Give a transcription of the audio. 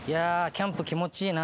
キャンプ気持ちいいな。